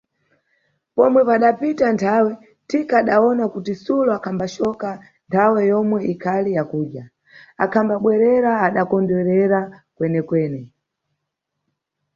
Pomwe padapita nthawe, thika adawona kuti sulo akhambacoka nthawe yomwe ikhali ya kudya, akhambabwerera adakondererwa kwenekwene.